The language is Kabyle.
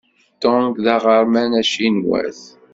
Dong d aɣerman acinwat.